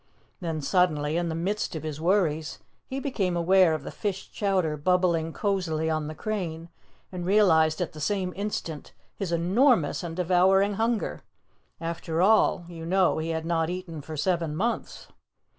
Then suddenly in the midst of his worries he became aware of the fish chowder bubbling cozily on the crane and realized at the same instant his enormous and devouring hunger. After all, you know he had not eaten for seven months.